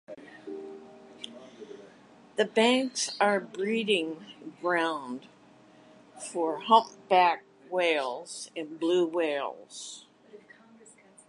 The banks are a breeding ground for Humpback Whales and Blue Whales.